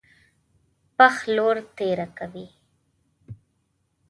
پښ لور تېره کوي.